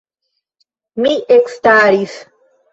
Mi ekstaris.